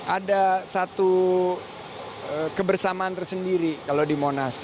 ada satu kebersamaan tersendiri kalau di monas